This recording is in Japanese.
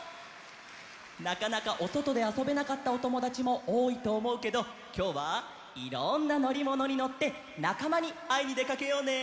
なかなかおそとであそべなかったおともだちもおおいとおもうけどきょうはいろんなのりものにのってなかまにあいにでかけようね！